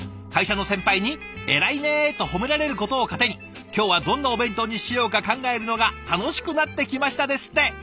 「会社の先輩に『偉いね』と褒められることを糧に今日はどんなお弁当にしようか考えるのが楽しくなってきました」ですって。